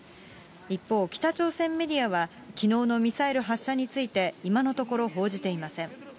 一方、北朝鮮メディアは、きのうのミサイル発射について、今のところ報じていません。